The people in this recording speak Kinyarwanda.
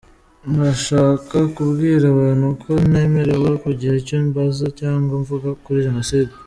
Murashaka kubwira abantu ko ntemerewe kugira icyo mbaza cyangwa mvuga kuri jenoside?